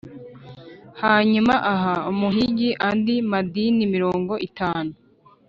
" hanyuma aha umuhigi andi madini mirongo itanu.